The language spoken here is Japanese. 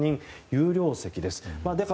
有料席です。